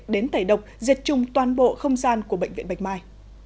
đến tẩy độc diệt trùng toàn bộ không gian của bệnh viện bạch mai